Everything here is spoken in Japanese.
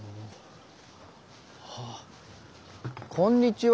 こんにちは。